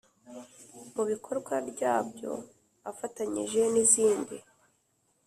Mu bikorwa ryabyo afatanyije n izindi